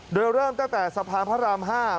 โดยเริ่มตั้งแต่สะพานพระราม๕